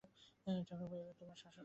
ঠাকুরপো, এ তোমার শাসেত্রর কথা।